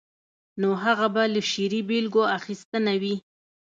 نو هغه به له شعري بېلګو اخیستنه وي.